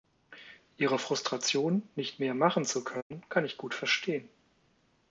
Ihre Frustration, nicht mehr machen zu können, kann ich gut verstehen.